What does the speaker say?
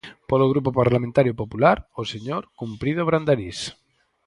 Polo Grupo Parlamentario Popular, o señor Cumprido Brandarís.